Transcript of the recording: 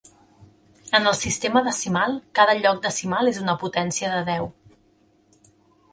En el sistema decimal, cada lloc decimal és una potència de deu.